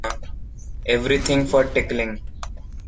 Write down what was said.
everything for tickling.